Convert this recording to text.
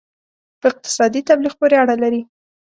په اقتصادي تبلیغ پورې اړه لري.